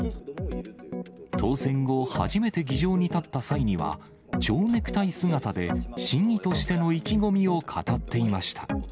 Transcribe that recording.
当選後、初めて議場に立った際には、蝶ネクタイ姿で市議としての意気込みを語っていました。